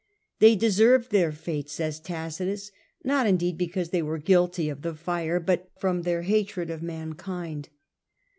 They deserved their fate, says Tacitus, not, in deed, because they were guilty of the fire, but from their hatred of mankind.